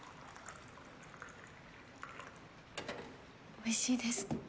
おいしいです。